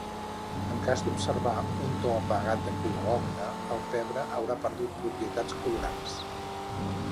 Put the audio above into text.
En cas d'observar un to apagat de color ocre el pebre haurà perdut propietats colorants.